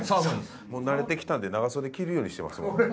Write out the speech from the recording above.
慣れて来たんで長袖着るようにしてますもん。